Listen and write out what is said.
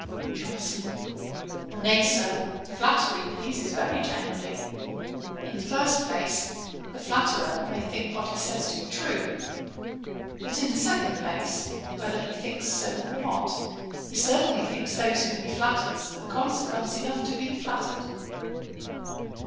JOHNSON. 'Nay, Sir, flattery pleases very generally. In the first place, the flatterer may think what he says to be true: but, in the second place, whether he thinks so or not, he certainly thinks those whom he flatters of consequence enough to be flattered.'